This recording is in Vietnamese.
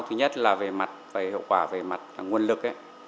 thứ nhất là về mặt về hiệu quả về mặt nguồn lực